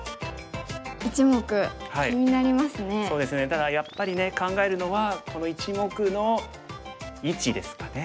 だからやっぱりね考えるのはこの１目の位置ですかね。